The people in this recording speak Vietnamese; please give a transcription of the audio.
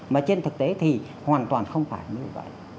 mà trên thực tế thì hoàn toàn không phải như vậy